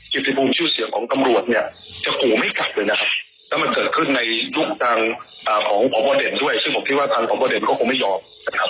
ตัวที่ใหญ่ที่สุดคือเป็นระดับผู้กำกับการครับ